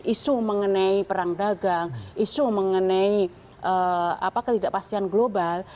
isu mengenai perang dagang isu mengenai ketidakpastian global